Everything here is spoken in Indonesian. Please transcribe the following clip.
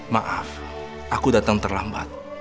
maaf aku datang terlambat